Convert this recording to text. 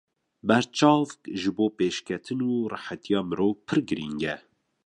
Berçavk ji bo pêşketin û rehetiya mirov pir girîng e.